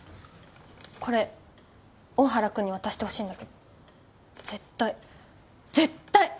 これ大原君に渡してほしいんだけど絶対絶対！